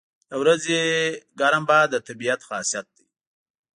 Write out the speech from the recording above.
• د ورځې ګرم باد د طبیعت خاصیت دی.